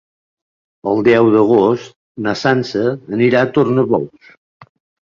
El deu d'agost na Sança anirà a Tornabous.